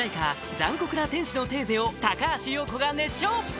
「残酷な天使のテーゼ」を高橋洋子が熱唱！